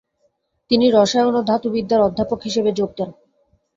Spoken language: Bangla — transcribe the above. তিনি রসায়ন ও ধাতুবিদ্যার অধ্যাপক হিসেবে যোগ দেন।